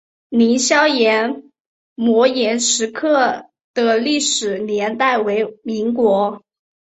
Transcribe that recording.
凌霄岩摩崖石刻的历史年代为民国。